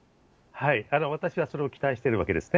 私はそれを期待しているわけですね。